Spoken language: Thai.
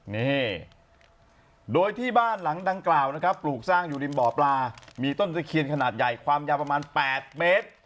นี่โดยที่บ้านหลังดังกล่าวนะครับปลูกสร้างอยู่ริมบ่อปลามีต้นตะเคียนขนาดใหญ่ความยาวประมาณ๘เมตร